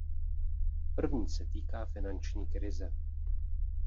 První se týká finanční krize.